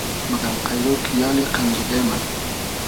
مئگئم قݷرۉ کی یالی قئنجیغې مۂ